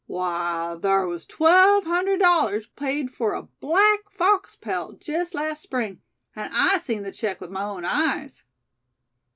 Why, thar was twelve hundred dollars paid fur a black fox pelt jest last Spring; an' I seen the check with my own eyes."